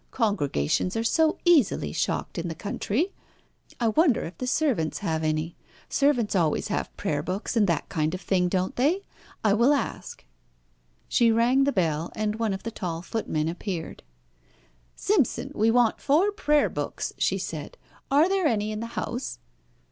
Congregations are so easily shocked in the country. I wonder if the servants have any? Servants always have prayer books and that kind of thing, don't they? I will ask." She rang the bell, and one of the tall footmen appeared. "Simpson, we want four prayer books," she said. "Are there any in the house?"